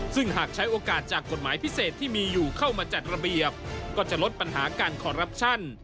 ซึ่งหากใช้โอกาสจากกฎหมายพิเศษที่มีอยู่เข้ามาจัดระเบียบก็จะลดปัญหาการคอรัปชั่น